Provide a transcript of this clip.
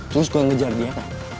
terus gue ngejar dia kan